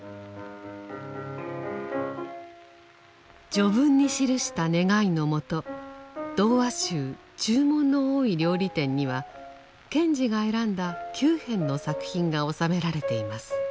序文に記した願いのもと童話集「注文の多い料理店」には賢治が選んだ９編の作品が収められています。